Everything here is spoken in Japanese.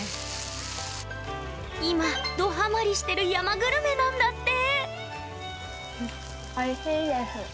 今、どハマりしてる山グルメなんだって。